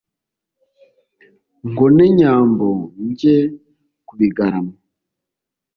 Ngo nte Nyambo njye ku Bigarama,